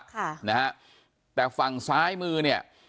ค่ะนะฮะแต่ฝั่งซ้ายมือเนี่ย